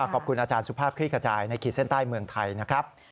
ขอบคุณอาจารย์สุภาพคลี่ขจายในขีดเส้นใต้เมืองไทยนะครับ